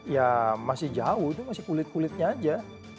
ya masih jauh itu masih kulit kulitnya aja